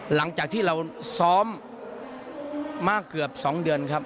หลังจากที่เราซ้อมมากเกือบ๒เดือนครับ